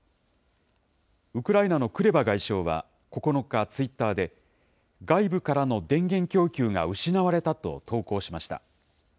ウクライナのクレバ外相は９日、ツイッターで、外部からの電源供給が失われたと投稿しました。